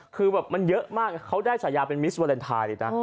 คือแบบมันเยอะมากเขาได้ฉายาเป็นมิสวาเลนไทยเลยนะ